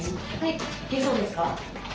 いけそうですか？